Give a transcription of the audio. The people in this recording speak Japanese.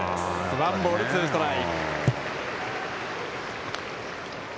ワンボール、ツーストライク。